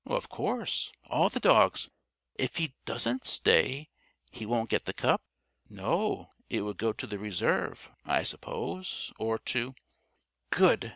"Of course. All the dogs " "If he doesn't stay, he won't get the cup?" "No. It would go to the Reserve, I suppose, or to " "Good!"